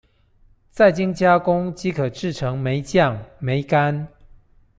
再經加工即可製成梅醬、梅乾